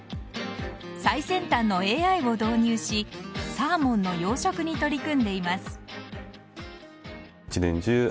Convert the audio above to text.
最先端のＡＩを導入しサーモンの養殖に取り組んでいます。